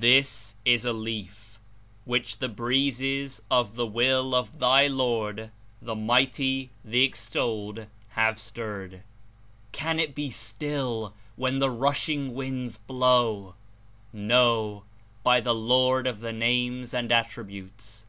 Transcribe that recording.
"This is a Leaf which the Breezes of the will of thy Lord, the Mighty, the Extolled, have stirred. Can it be still when the rushing winds blow? No, by the The Breeze Lord of the Names and Attributes!